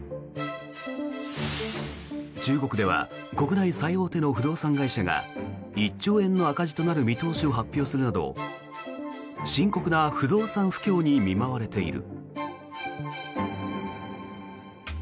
中国では国内最大手の不動産会社が１兆円の赤字となる見通しを発表するなど深刻な不動産不況に見舞われている。